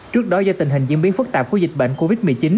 trước đó do tình hình diễn biến phức tạp của dịch bệnh covid một mươi chín